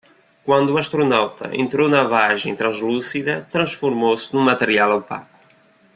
Quando o astronauta entrou na vagem translúcida, transformou-se num material opaco.